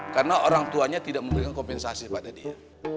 karena orang tuanya tidak memberikan kompensasi pada dia